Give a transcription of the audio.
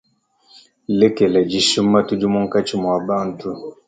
Lekela dishima tudi munkatshi mua bantu.